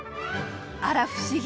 あら不思議！